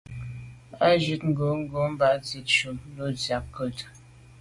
A jíìt ngòó ngò mbā zíìt shùm lo ndzíə́k ncɔ́ɔ̀ʼdə́ a.